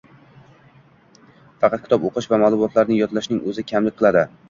faqat kitob o‘qish va maʼlumotlarni yodlashning o‘zi kamlik qiladi.